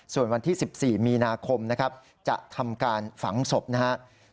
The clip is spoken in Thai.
ส่วนวันที่๑๔มีนาคมนะครับจะทำการฝังศพนะครับ